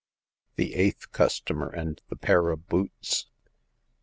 THE EIGHTH CUSTOMER AND THE PAIR OF BOOTS.